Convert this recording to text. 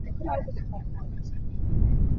Hi chizawh pawl cu an raang.